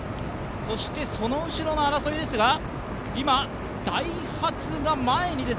そしてその後ろの争いですが今、ダイハツが前に出た。